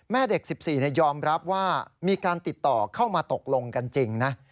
แม่เด็ก๑๔ยอมรับว่ามีการติดต่อเข้ามาตกลงกันจริงนะ